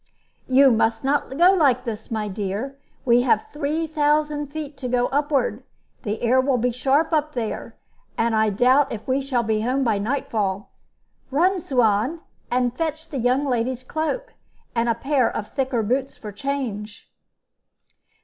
"You must not go like this, my dear. We have three thousand feet to go upward. The air will be sharp up there, and I doubt if we shall be home by night fall. Run, Suan, and fetch the young lady's cloak, and a pair of thicker boots for change."